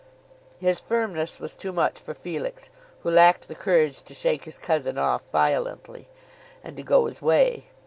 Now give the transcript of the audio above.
His firmness was too much for Felix, who lacked the courage to shake his cousin off violently, and to go his way.